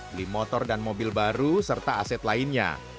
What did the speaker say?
beli motor dan mobil baru serta aset lainnya